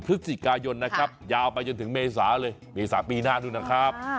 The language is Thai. พฤศจิกายนนะครับยาวไปจนถึงเมษาเลยเมษาปีหน้านู้นนะครับ